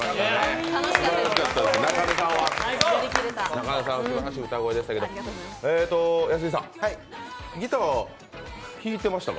なかねさんはすばらしい歌声でしたけど、安井さん、ギター、弾いてましたかね？